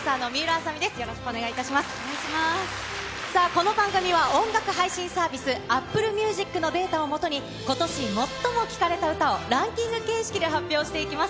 さあこの番組は、音楽配信サービス、アップルミュージックのデータを基に、ことし最も聴かれた歌をランキング形式で発表していきます。